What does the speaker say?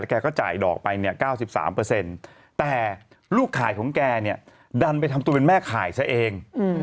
แกก็จ่ายดอกไปเนี่ย๙๓แต่ลูกขายของแกเนี่ยดันไปทำตัวเป็นแม่ข่ายซะเอง